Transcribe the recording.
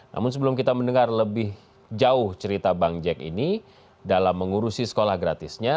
namun sebelum kita mendengar lebih jauh cerita bang jack ini dalam mengurusi sekolah gratisnya